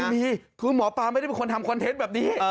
มีคือหมอปลาไม่ได้เป็นคนทำคอนเทนต์แบบนี้